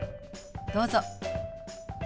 どうぞ。